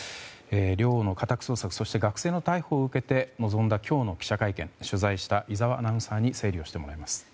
寮の家宅捜索そして学生の逮捕を受けて臨んだ今日の記者会見取材した井澤アナウンサーに整理をしてもらいます。